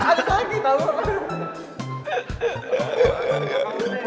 ada sakit tau gak